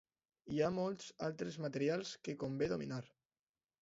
Hi ha molts altres materials que convé dominar.